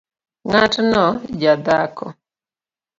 Ng’atno jadhako